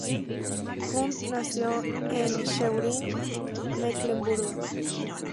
Kundt nació en Schwerin, Mecklemburgo.